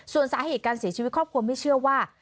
ส่วนสาเหตุการเสียชีวิตครอบครัวไม่เชื่อว่า